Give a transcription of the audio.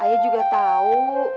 ayah juga tahu